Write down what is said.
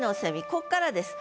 ここからです。